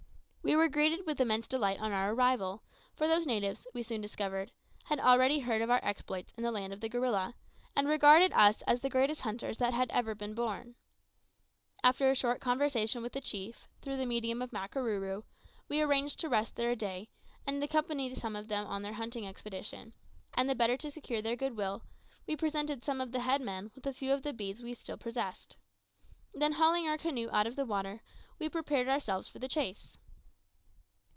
We were greeted with immense delight on our arrival, for those natives, we soon discovered, had already heard of our exploits in the lands of the gorilla, and regarded us as the greatest hunters that had ever been born. After a short conversation with the chief, through the medium of Makarooroo, we arranged to rest there a day, and accompany them on their hunting expedition; and the better to secure their good will, we presented some of the head men with a few of the beads which we still possessed. Then hauling our canoe out of the water, we prepared ourselves for the chase.